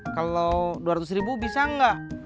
kalo dua ratus ribu bisa enggak